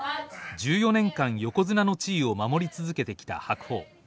１４年間横綱の地位を守り続けてきた白鵬。